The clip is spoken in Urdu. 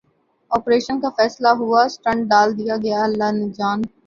آپریشن کا فیصلہ ہوا سٹنٹ ڈال دیا گیا اللہ نے جان